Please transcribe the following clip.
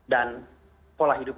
dan pola hidup